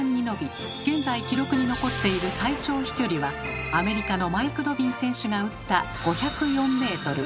現在記録に残っている最長飛距離はアメリカのマイク・ドビン選手が打った５０４ｍ。